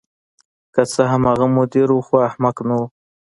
که څه هم هغه مدیر و خو احمق نه و